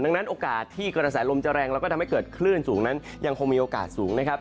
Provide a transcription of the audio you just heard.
ดังนั้นโอกาสที่กระแสลมจะแรงแล้วก็ทำให้เกิดคลื่นสูงนั้นยังคงมีโอกาสสูงนะครับ